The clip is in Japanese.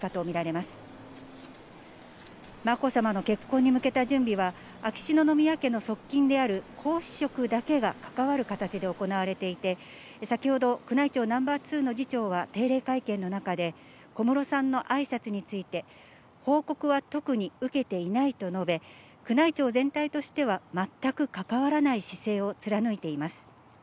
まこさまの結婚に向けた準備は、秋篠宮家の側近である皇嗣職だけが関わる形で行われていて、先ほど、宮内庁ナンバー２の次長は定例会見の中で、小室さんのあいさつについて、報告は特に受けていないと述べ、宮内庁全体としては、全く関わらない姿勢を貫いています。